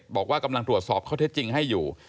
บอกว่ากำลังตรวจสอบข้อเท็จจริงให้อยู่